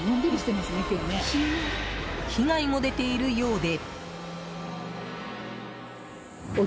被害も出ているようで。